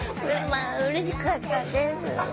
うれしかったです。